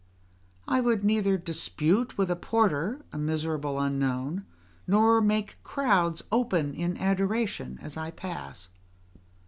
I would neither dispute with a porter, a miserable unknown, nor make crowds open in adoration as I pass.